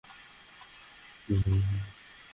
ওখানে কোন গড়বড় করবে না, কেমন?